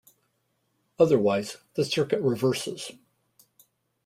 Otherwise the circuit reverses.